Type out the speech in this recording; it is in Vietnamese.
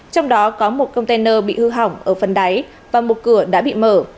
trong đó có một container bị hư hỏng ở phần đáy và một cửa đã bị mở